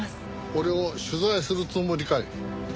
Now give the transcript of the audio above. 俺を取材するつもりかい？